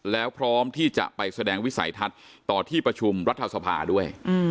แล้วพร้อมที่จะไปแสดงวิสัยทัศน์ต่อที่ประชุมรัฐสภาด้วย